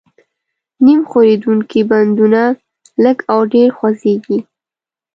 نیم ښورېدونکي بندونه لږ او ډېر خوځېږي.